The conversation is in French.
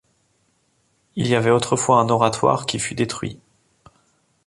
Il y avait autrefois un oratoire qui fut détruit.